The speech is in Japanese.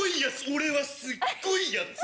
俺はすっごいやつ。